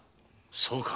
そうか。